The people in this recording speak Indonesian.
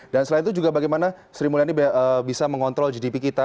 dan selain itu juga bagaimana sri mulyani bisa mengontrol gdp kita